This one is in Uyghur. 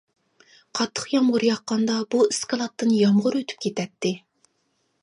قاتتىق يامغۇر ياغقاندا بۇ ئىسكىلاتتىن يامغۇر ئۆتۈپ كېتەتتى.